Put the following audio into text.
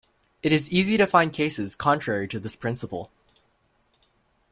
It is easy to find cases contrary to this principle.